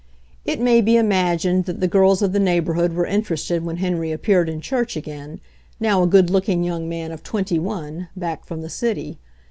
It may be imagined that the girls of the neigh borhood were interested when Henry appeared in church again, now a good looking young man of twenty one, back from the city.